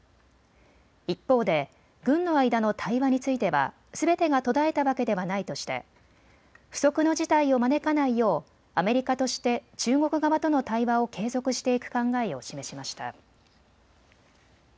一方で軍の間の対話についてはすべてが途絶えたわけではないとして不測の事態を招かないようアメリカとして中国側との対話を継続していく考えを示しました。